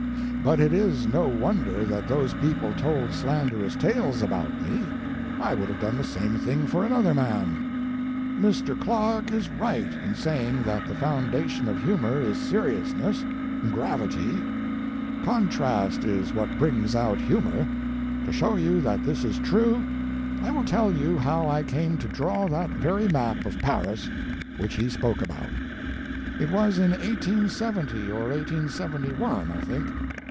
But it is no wonder that those people told slanderous tales about me; I would have done the same thing for another man. "Mr. Clarke is right in saying that the foundation of humor is seriousness, gravity. Contrast is what brings out humor. To show you that this is true, I will tell you how I came to draw that very map of Paris which he spoke about. It was in 1870 or 1871, I think.